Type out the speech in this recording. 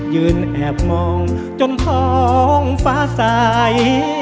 ยืนแอบมองจนท้องฟ้าใส